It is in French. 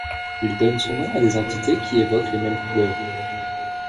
Il donne son nom à des entités qui évoquent les mêmes couleurs.